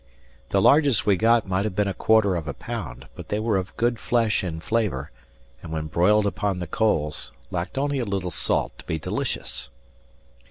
The largest we got might have been a quarter of a pound; but they were of good flesh and flavour, and when broiled upon the coals, lacked only a little salt to be delicious.